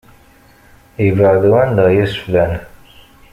Ibɛed wanda i yas-flan!